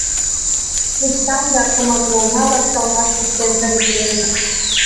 Пуштам да команмелналак салмаш пыштен жаритлем ыле.